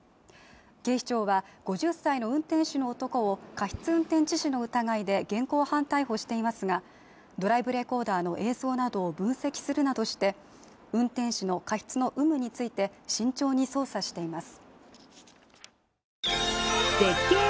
警視庁は、５０歳の運転手の男を過失運転致死の疑いで現行犯逮捕していますが、ドライブレコーダーの映像などを分析するなどして運転手の過失の有無について慎重に捜査しています。